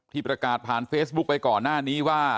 ประกาศผ่านเฟซบุ๊คไปก่อนหน้านี้ว่า